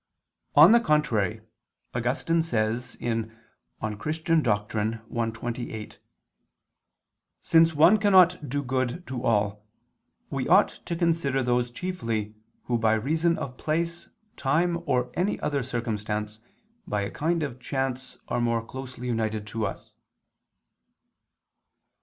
On the contrary, Augustine says (De Doctr. Christ. i, 28): "Since one cannot do good to all, we ought to consider those chiefly who by reason of place, time or any other circumstance, by a kind of chance are more closely united to us."